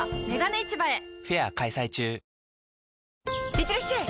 いってらっしゃい！